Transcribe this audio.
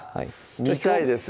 見たいです